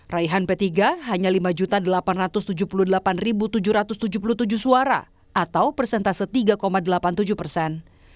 raihan p tiga hanya lima delapan ratus tujuh puluh delapan tujuh ratus tujuh puluh tujuh suara atau persentase tiga delapan puluh tujuh persen